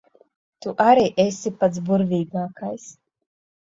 Tu arī esi pats burvīgākais.